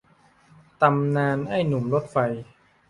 ตำนานไอ้หนุ่มรถไฟ